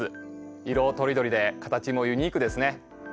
色とりどりで形もユニークですね。